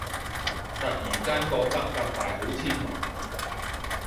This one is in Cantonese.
突然間覺得革大好天龍